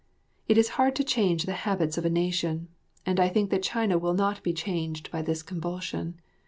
It is hard to change the habits of a nation, and I think that China will not be changed by this convulsion.